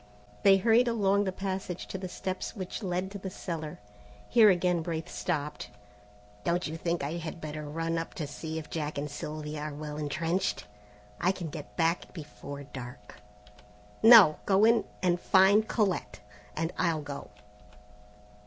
They hurried along the passage to the steps which led to the cellar. Here again Braith stopped. "Don't you think I had better run up to see if Jack and Sylvia are well entrenched? I can get back before dark." "No. Go in and find Colette, and I'll go."